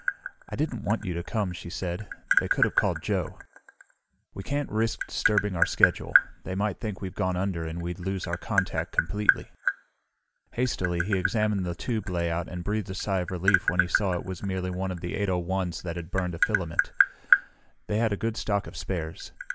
"I didn't want you to come," she said. "They could have called Joe." "We can't risk disturbing our schedule. They might think we've gone under and we'd lose our contact completely." Hastily he examined the tube layout and breathed a sigh of relief when he saw it was merely one of the 801's that had burned a filament. They had a good stock of spares.